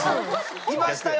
いましたよ